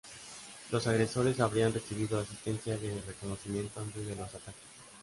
Los agresores habrían recibido asistencia de reconocimiento antes de los ataques.